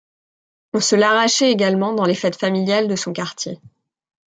On se l'arrachait également dans les fêtes familiales de son quartier.